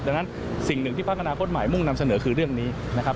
ดังนั้นสิ่งหนึ่งที่พักอนาคตใหม่มุ่งนำเสนอคือเรื่องนี้นะครับ